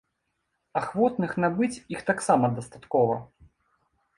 Ахвотных набыць іх таксама дастаткова.